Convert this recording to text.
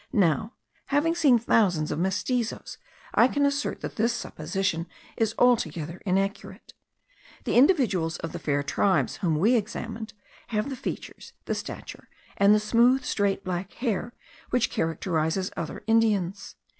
Now, having seen thousands of mestizos, I can assert that this supposition is altogether inaccurate. The individuals of the fair tribes whom we examined, have the features, the stature, and the smooth, straight, black hair which characterises other Indians.